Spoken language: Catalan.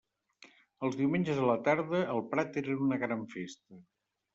Els diumenges a la tarda, el prat era una gran festa.